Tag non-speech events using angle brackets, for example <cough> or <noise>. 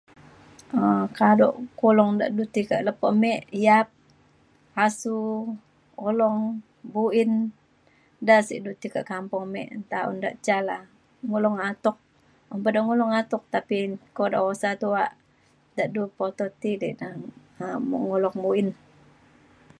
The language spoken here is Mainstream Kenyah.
um kado kulong dak du ti kak lepo me yap asu kulong buin da sek du ti kak kampung ame nta un dak ca la’a ngulong atuk un pa da ngulong atuk tapi kuda usa tuak dak du <unintelligible> ti na um mengulong buin